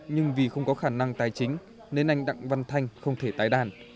nhưng vì không có khả năng tài chính nên anh đặng văn thanh không thể tái đàn